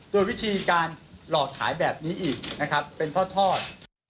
โดยวิธีการหลอกขายแบบนี้อีกนะครับเป็นทอด